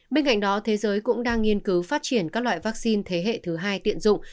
bên cạnh đó thế giới cũng đang nghiên cứu phát triển các loại vaccine thế hệ thứ hai tiện dụng